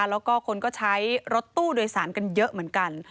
แล้วก็คนก็ใช้รถตู้โดยสารกันเยอะเหมือนกัน